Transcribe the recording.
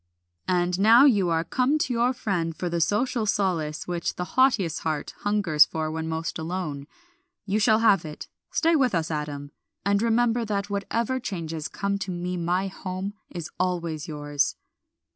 "And now you are come to your friend for the social solace which the haughtiest heart hungers for when most alone. You shall have it. Stay with us, Adam, and remember that whatever changes come to me my home is always yours."